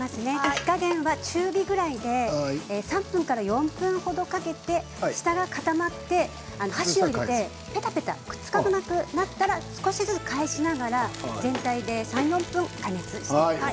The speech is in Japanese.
火加減は中火ぐらいで３分から４分程かけて下が固まって箸にペタペタくっつかなくなったら少しずつ返しながら全体で３、４分加熱してください。